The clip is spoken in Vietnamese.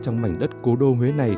trong mảnh đất cố đô huế này